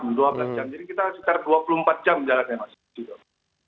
jadi kita sekitar dua puluh empat jam jalannya mas